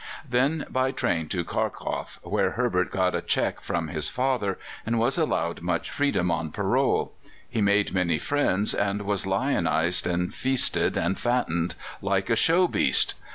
Then by train to Kharkoff, where Herbert got a cheque from his father, and was allowed much freedom on parole; he made many friends, was lionized and feasted and fattened "like a show beast."